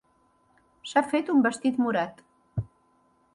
S'ha fet un vestit morat.